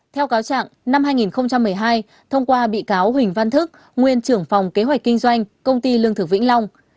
theo cáo trạng năm hai nghìn một mươi hai thông qua bị cáo huỳnh văn thức nguyên trưởng phòng kế hoạch kinh doanh công ty lương thực vĩnh long